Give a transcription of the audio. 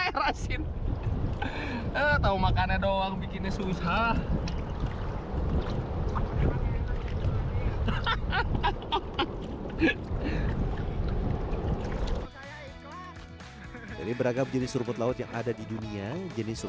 metode dasar ini juga bisa dilakukan dengan berat dan air asin